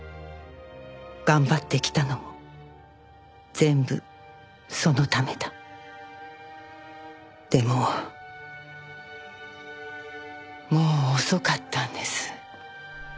「頑張ってきたのも全部そのためだ」でももう遅かったんです。